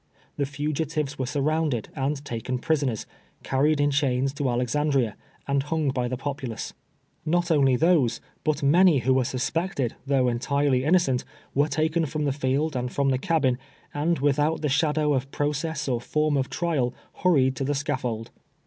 The fugitives were surrounded and taken pris oners, carried in chains to Alexandria, and hung by the popidace, Xot only those, but many who were suspected, though entirely innocent, wei'e taken from the field and from the cabin, and without the shadow of process or form of trial, hurried to the scaffold.